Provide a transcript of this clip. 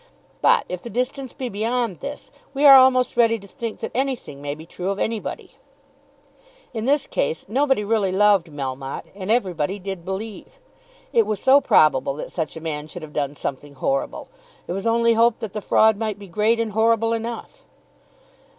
But, if the distance be beyond this, we are almost ready to think that anything may be true of anybody. In this case nobody really loved Melmotte and everybody did believe. It was so probable that such a man should have done something horrible! It was only hoped that the fraud might be great and horrible enough.